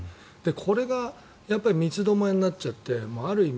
これが三つどもえになっちゃってある意味